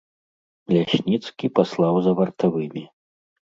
Лясніцкі паслаў за вартавымі.